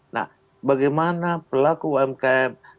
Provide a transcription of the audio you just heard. nah bagaimana pelaku umkm